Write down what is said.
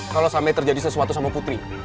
kalo sampe terjadi sesuatu sama putri